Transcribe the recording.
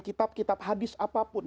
kitab kitab hadis apapun